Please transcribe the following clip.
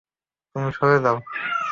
তোমরা সরে যাও!